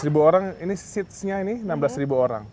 dua ribu orang ini seatsnya ini enam belas ribu orang